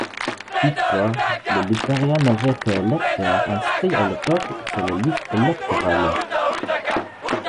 Toutefois, le Liberia n'avait que électeurs inscrits à l'époque sur les listes électorales.